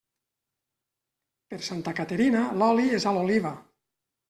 Per Santa Caterina, l'oli és a l'oliva.